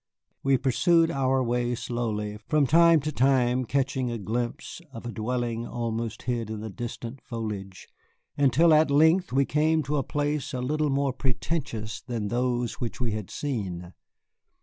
We pursued our way slowly, from time to time catching a glimpse of a dwelling almost hid in the distant foliage, until at length we came to a place a little more pretentious than those which we had seen.